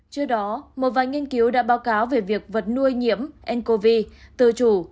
trước đó một vài nghiên cứu đã báo cáo về việc vật nuôi nhiễm n cov từ chủ